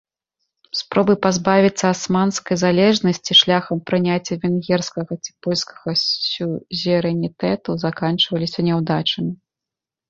Спробы пазбавіцца асманскай залежнасці шляхам прыняцця венгерскага ці польскага сюзерэнітэту заканчваліся няўдачамі.